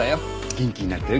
元気になったよ